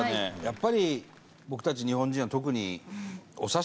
やっぱり僕たち日本人は特に。